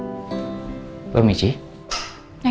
tidak ada yang bisa dipercayai